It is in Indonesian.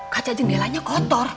kaca jendelanya kotor